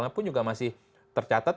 dan apapun juga masih tercatat